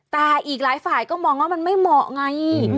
แต่อีกหลายฝ่ายก็มองว่ามันไม่เหมาะไง